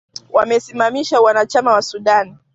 Wamesimamisha uanachama wa Sudan